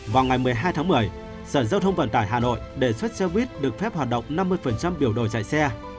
vào ngày một mươi hai tháng một mươi sở giao thông vận tải hà nội đề xuất xe buýt được phép hoạt động năm mươi biểu đồ chạy xe